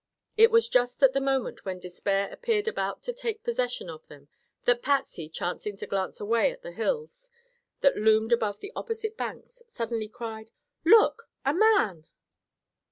It was just at the moment when despair appeared about to take possession of them that Patsy, chancing to glance away at the hills that loomed above the opposite banks, suddenly cried: "Look! A man!"